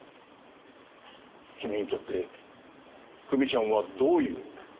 君にとって久美ちゃんはどういう。